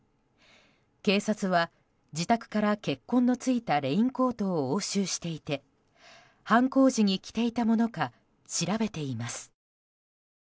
警察は自宅から血痕のついたレインコートを押収していて犯行時に着ていたものか調べています。